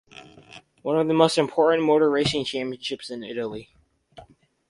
One of the most important motor racing championships in Italy.